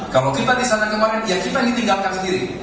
kalau kita di sana kemarin ya kita ditinggalkan sendiri